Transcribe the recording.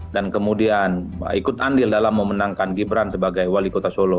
dan ikut andil dalam memenangkan gibran sebagai wali kota solo